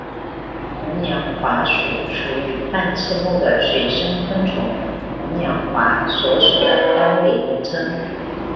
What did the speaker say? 红娘华属属于半翅目的水生昆虫红娘华所属的单位名称。